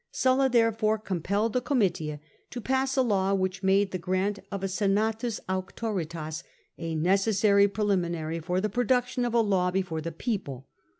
Sulla therefore compelled the Comitia to pass a law which made the grant of a senatus auctoritas a necessary preliminary for the production of a law before the people.